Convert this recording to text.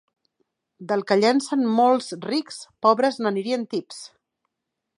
Del que llencen molts rics, pobres n'anirien tips.